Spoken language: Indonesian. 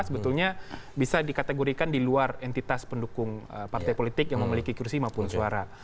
sebetulnya bisa dikategorikan di luar entitas pendukung partai politik yang memiliki kursi maupun suara